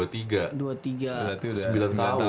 dua ribu dua puluh tiga sembilan tahun